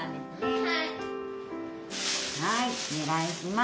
はいお願いします。